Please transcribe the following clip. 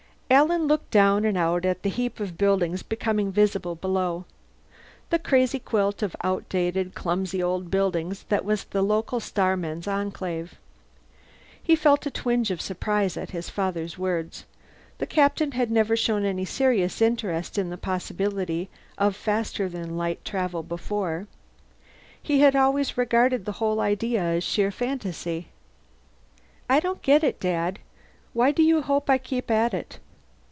Alan looked down and out at the heap of buildings becoming visible below. The crazy quilt of outdated, clumsy old buildings that was the local Starmen's Enclave. He felt a twinge of surprise at his father's words. The Captain had never shown any serious interest in the possibility of faster than light travel before. He had always regarded the whole idea as sheer fantasy. "I don't get it, Dad. Why do you hope I keep at it?